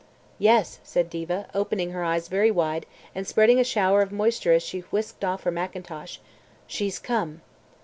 "Yes," said Diva, opening her eyes very wide, and spreading a shower of moisture as she whisked off her mackintosh. "She's come."